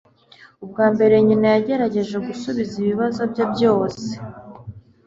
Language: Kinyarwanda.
Ubwa mbere, nyina yagerageje gusubiza ibibazo bye byose.